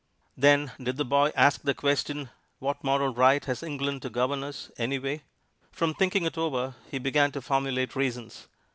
Then did the boy ask the question, What moral right has England to govern us, anyway? From thinking it over he began to formulate reasons.